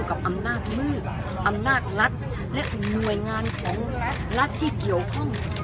กับอำนาจมืดอำนาจรัฐและหน่วยงานของรัฐที่เกี่ยวข้อง